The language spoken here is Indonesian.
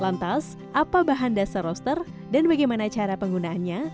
lantas apa bahan dasar roster dan bagaimana cara penggunaannya